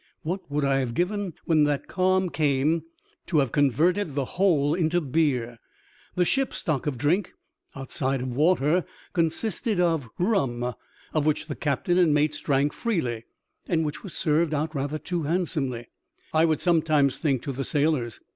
What would I have given when that calm came to have converted the whole into beer? The ship's stock of drink, outside water, consisted of rum, of which the captain and mates drank freely, and which was served out rather too handsomely, I would sometimes think, to the sailors.